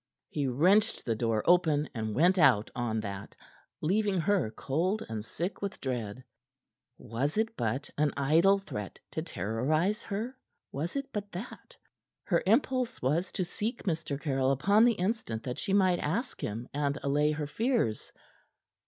He wrenched the door open, and went out on that, leaving her cold and sick with dread. Was it but an idle threat to terrorize her? Was it but that? Her impulse was to seek Mr. Caryll upon the instant that she might ask him and allay her fears.